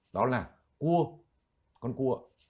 đó là cua con cua